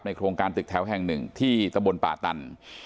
โครงการตึกแถวแห่งหนึ่งที่ตะบนป่าตัน